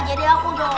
jadi aku duluan